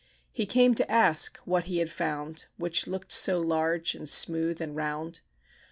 He came to ask what he had found, Which looked so large, and smooth, and round.